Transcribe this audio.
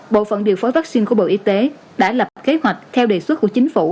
bộ phận điều phối vaccine của bộ y tế đã lập kế hoạch theo đề xuất của chính phủ